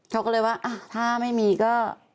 เขาก็เลยว่าถ้าไม่มีก็